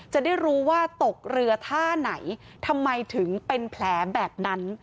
จะได้รู้ว่าตกเรือท่าไหนทำไมถึงเป็นแผลแบบนั้น